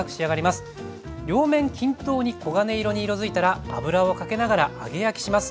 両面均等に黄金色に色づいたら油をかけながら揚げ焼きします。